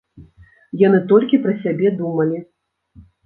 Яны толькі пра сябе думалі!